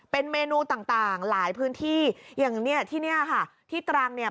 เป็นเมนูต่างต่างหลายพื้นที่อย่างเนี่ยที่เนี่ยค่ะที่ตรังเนี่ย